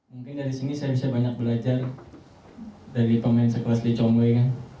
mungkin dari sini saya bisa banyak belajar dari pemain sekelas lee chong wei